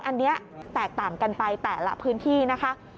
อันนี้แตกต่างกันไปแต่ละพื้นที่นะคะ